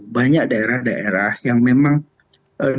banyak daerah daerah yang memang dilengkapi